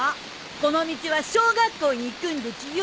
この道は小学校に行くんでちゅよ。